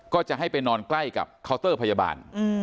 ก็จะให้ไปนอนใกล้กับเคาน์เตอร์พยาบาล